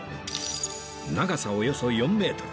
長さおよそ４メートル